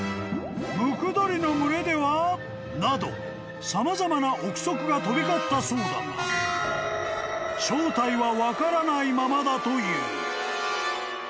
［「ムクドリの群れでは？」など様々な臆測が飛び交ったそうだが正体は分からないままだという］